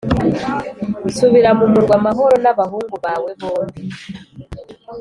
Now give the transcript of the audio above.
Subira mu murwa amahoro n’abahungu bawe bombi